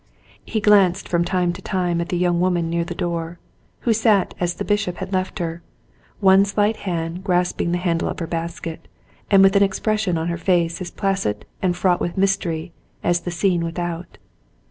He glanced from time to time at the young woman near the door who sat as the bishop had left her, one slight hand grasping the handle of her basket, and with an expression on her face as placid and fraught with mystery as the scene without.